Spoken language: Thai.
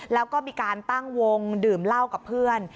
แล้วก็มีการตั้งวงดื่มเหล้ากับเพื่อน